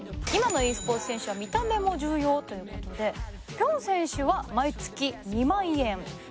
今のｅスポーツ選手は見た目も重要ということでＰｙｏｎ選手は毎月２万円。